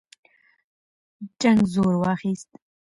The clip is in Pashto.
جنګ زور واخیست.